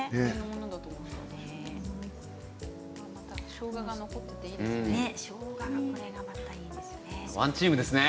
しょうがが残っていていいですね。